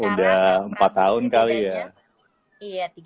udah empat tahun kali ya